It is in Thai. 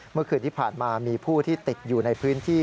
เมื่อคืนที่ผ่านมามีผู้ที่ติดอยู่ในพื้นที่